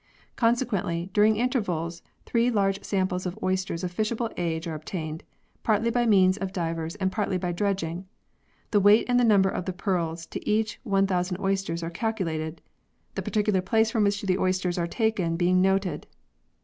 Consequently, during intervals, three large samples of oysters of fishable age are obtained, partly by means of divers and partly by dredging. The weight and the number of the pearls to each 1000 oysters are calculated, the .particular place from which the oysters are taken being noted.